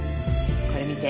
これ見て。